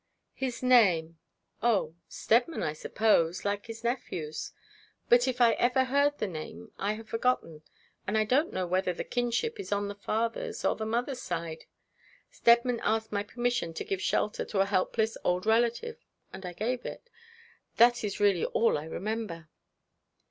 'His name oh, Steadman, I suppose, like his nephew's; but if I ever heard the name I have forgotten it, and I don't know whether the kinship is on the father's or the mother's side. Steadman asked my permission to give shelter to a helpless old relative, and I gave it. That is really all I remember.'